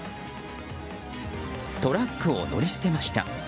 トラックを乗り捨てました。